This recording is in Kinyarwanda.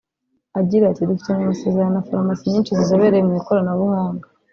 Agira ati “Dufitanye amasezerano na farumasi nyinshi zizobereye mu ikoranabuhanga